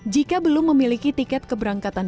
jika belum memiliki tiket keberangkatan